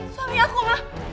suami aku mah